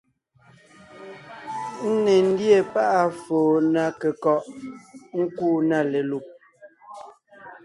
Ńne ńdíe páʼ à foo ná kékɔ́ʼ nkúu na lelùb,